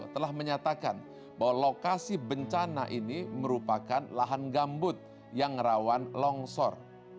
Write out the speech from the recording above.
telah menyatakan bahwa lokasi bencana ini merupakan lahan gambut yang rawan longsor